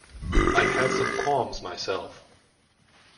I’ve had some qualms myself.